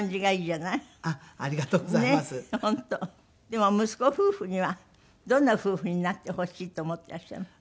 でも息子夫婦にはどんな夫婦になってほしいと思ってらっしゃるの？